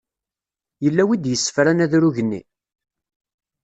Yella wi d-yessefran adrug-nni?